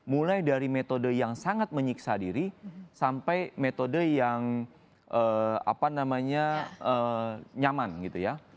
mulai dari metode yang sangat menyiksa diri sampai metode yang nyaman gitu ya